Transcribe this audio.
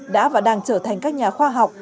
đã và đang trở thành các nhà khoa học